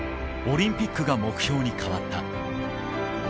オリンピックが目標に変わった。